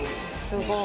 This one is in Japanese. すごい。